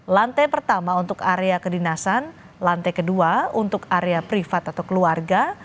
lantai pertama untuk area kedinasan lantai kedua untuk area privat atau keluarga